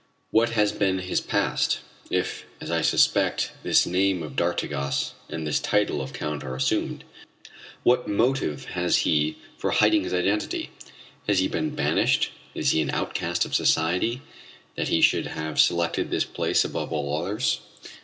What has been his past? If, as I suspect, this name of d'Artigas and this title of Count are assumed, what motive has he for hiding his identity? Has he been banished, is he an outcast of society that he should have selected this place above all others?